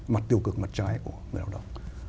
mặt tiêu cực mặt trái của người lao động